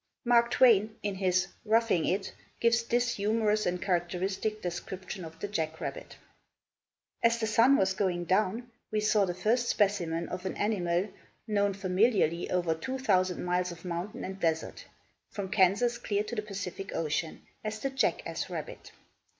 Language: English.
Mark Twain, in his "Roughing It," gives this humorous and characteristic description of the jack rabbit: "As the sun was going down, we saw the first specimen of an animal known familiarly over two thousand miles of mountain and desert from Kansas clear to the Pacific ocean as the 'jackass rabbit.'